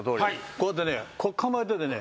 こうやってね構えててね。